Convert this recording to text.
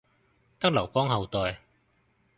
得劉邦後代